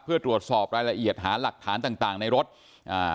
เพื่อตรวจสอบรายละเอียดหาหลักฐานต่างต่างในรถอ่า